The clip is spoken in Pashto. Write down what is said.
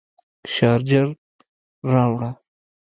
شارجر راوړه